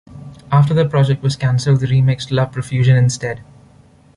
After that project was cancelled, they remixed "Love Profusion" instead.